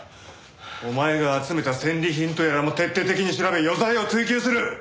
お前が集めた戦利品とやらも徹底的に調べ余罪を追及する！